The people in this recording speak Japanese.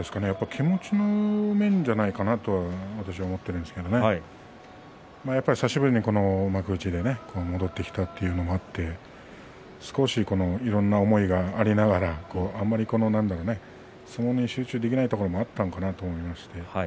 気持ちの面じゃないかなと私は思っているんですけど久しぶりに幕内に戻ってきたというのがあっていろんな思いがあって相撲に集中できないところもあったかなと思いますね。